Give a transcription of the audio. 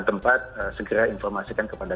tempat segera informasikan kepada